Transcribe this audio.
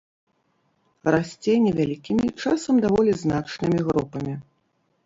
Расце невялікімі, часам даволі значнымі групамі.